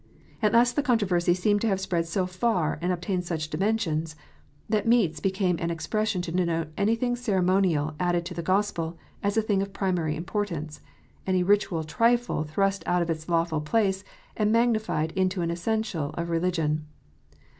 At last the controversy seems to have spread so far and obtained such dimensions, that "meats" became an expression to denote anything ceremonial added to the Gospel as a thing of primary importance, any Ritual trifle thrust out of its lawful place and magnified into an essential of religion.